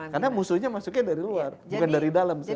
karena musuhnya masuknya dari luar bukan dari dalam sekarang